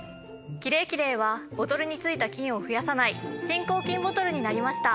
キレイキレイはボトルについた菌を増やさない新抗菌ボトルになりました。